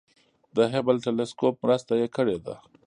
د هبل تلسکوپ مرسته یې کړې ده.